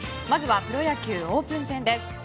まずはプロ野球オープン戦です。